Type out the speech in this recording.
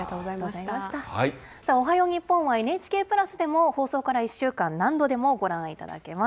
おはよう日本はＮＨＫプラスでも放送から１週間、何度でもご覧いただけます。